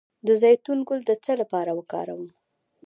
د زیتون ګل د څه لپاره وکاروم؟